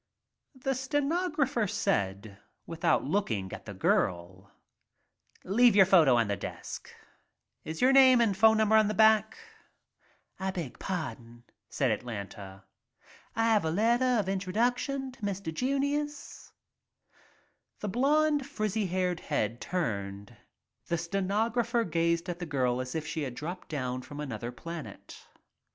The stenographer said, without looking at the girl, • "Leave your photos on the desk and phone number on the back?" is your name GIRL WHO WANTED WORK 77 "I beg pardon," said Atlanta. "I have a letter of introduction to Mr. Junius. The blonde frizzy haired head turned and the stenographer gazed at the girl as if she had dropped down from another planet.